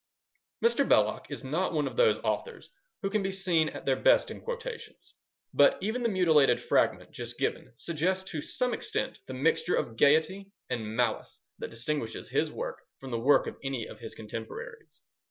Mr. Belloc is not one of those authors who can be seen at their best in quotations, but even the mutilated fragment just given suggests to some extent the mixture of gaiety and malice that distinguishes his work from the work of any of his contemporaries.